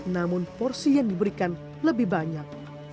namun porsi yang diberikan lebih banyak